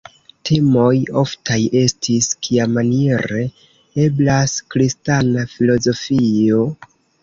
Temoj oftaj estis: kiamaniere eblas kristana filozofio?